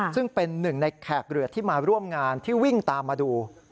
ซึ่งเป็นหนึ่งในแขกเรือที่มาร่วมงานที่วิ่งตามมาดู